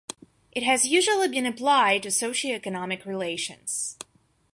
It has usually been applied to socio-economic relations.